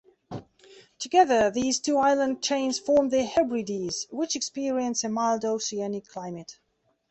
Together these two island chains form the Hebrides, which experience a mild oceanic climate.